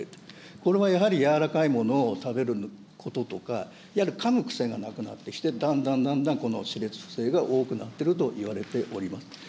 これはやはりやわらかいものを食べることとか、いわゆるかむ癖がなくなってきて、だんだんだんだんこの歯列不整が多くなっているといわれております。